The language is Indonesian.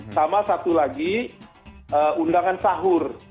sama satu lagi undangan sahur